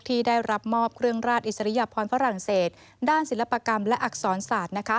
ที่ได้รับมอบเครื่องราชอิสริยพรฝรั่งเศสด้านศิลปกรรมและอักษรศาสตร์